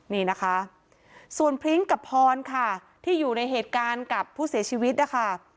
นี่นะคะส่วนพริ้งกับพรค่ะที่อยู่ในเหตุการณ์กับผู้เสียชีวิตนะคะ